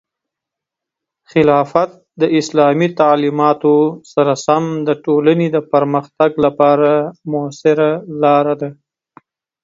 خلافت د اسلامي تعلیماتو سره سم د ټولنې د پرمختګ لپاره مؤثره لاره ده.